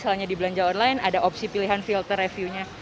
kalau misalnya di belanja online ada opsi pilihan filter reviewnya